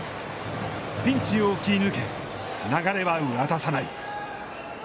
ピンチを切り抜け流れは渡さない。